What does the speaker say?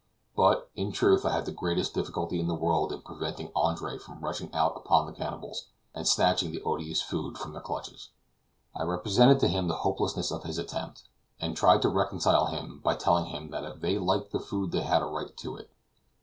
But, in truth, I had the greatest difficulty in the world in preventing Andre from rushing out upon the cannibals, and snatching the odious food from their clutches. I represented to him the hopelessness of his attempt, and tried to reconcile him by telling him that if they liked the food they had a right to it.